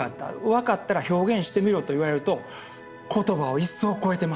分かったら表現してみろと言われると言葉を一層超えてますよね。